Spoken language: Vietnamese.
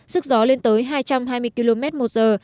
sức gió lên tới hai trăm hai mươi km một giờ